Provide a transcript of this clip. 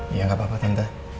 iya gak apa apa tante